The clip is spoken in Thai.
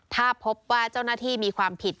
ถ้าพบว่าเจ้าหน้าที่มีความผิด